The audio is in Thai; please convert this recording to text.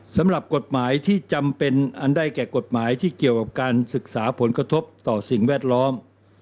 สำหรับกฎหมายที่จำเป็นอันได้แก่กฎหมายที่เกี่ยวกับการศึกษาผลกระทบต่อสิ่งแวดล้อม